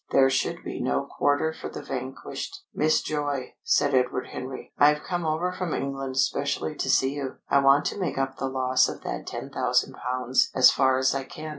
There should be no quarter for the vanquished." "Miss Joy," said Edward Henry, "I've come over from England specially to see you. I want to make up the loss of that ten thousand pounds as far as I can.